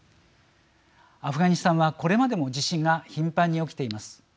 アフガニスタンはこれまでも地震が頻繁に起きています。